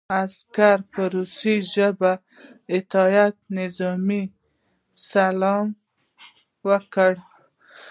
عسکر په روسي ژبه د اطاعت نظامي سلام وکړ